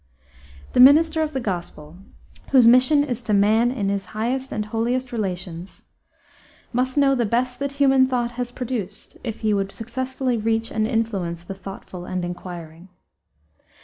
The minister of the Gospel, whose mission is to man in his highest and holiest relations, must know the best that human thought has produced if he would successfully reach and influence the thoughtful and inquiring.